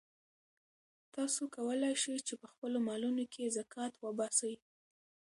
تاسو کولای شئ چې په خپلو مالونو کې زکات وباسئ.